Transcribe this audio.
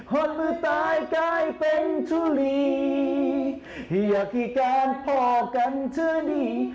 ห่อนมือตายกลายเป็นทุลีอยากให้การพอกันเท่านี้